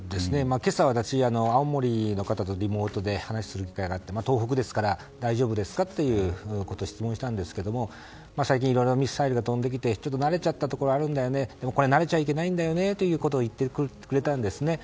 今朝、私は青森の方とリモートで話をする機会があって東北ですから大丈夫ですかということを質問したんですけども最近、いろいろミサイルが飛んできて慣れちゃったところあるんだよねでも慣れちゃいけないんだよねと言ってくれたんですね。